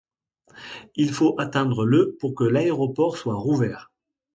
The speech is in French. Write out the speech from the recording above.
Il faut attendre le pour que l'aéroport soit rouvert.